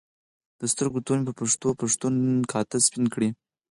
د سترګو تور مې په پښتو پښتون کاته سپین کړي